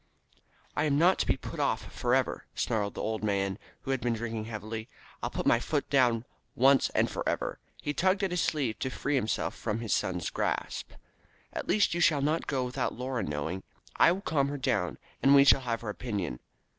"I am not to be put off for ever," snarled the old man, who had been drinking heavily. "I'll put my foot down now, once and for ever." He tugged at his sleeve to free himself from his son's grasp. "At least you shall not go without Laura knowing. I will call her down, and we shall have her opinion."